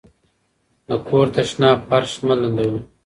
د کور تشناب فرش مه لندوئ.